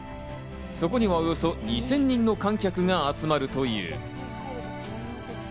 そこにはおよそ２０００人の観客が集まるという。